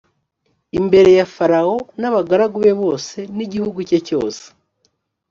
imbere ya farawo n’abagaragu be bose, n’igihugu cye cyose,